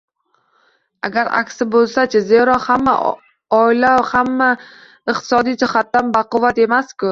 Agar aksi boʻlsa-chi? Zero, hamma oila ham iqtisodiy jihatdan baquvvat emasku?!